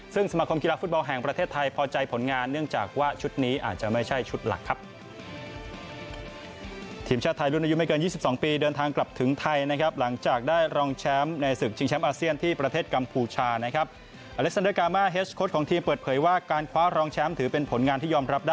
ซึ่งสมาคมกีฬาฟุตบอลแห่งประเทศไทยพอใจผลงานเนื่องจากว่าชุดนี้อาจจะไม่ใช่ชุดหลักครับ